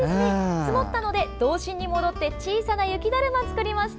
積もったので童心に戻って小さな雪だるまを作りました。